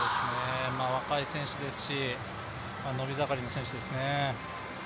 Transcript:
若い選手ですし、伸び盛りの選手ですね。